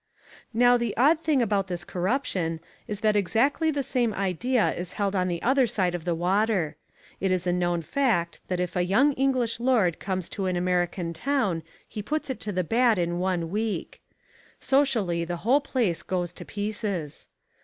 Now the odd thing about this corruption is that exactly the same idea is held on the other side of the water. It is a known fact that if a young English Lord comes to an American town he puts it to the bad in one week. Socially the whole place goes to pieces.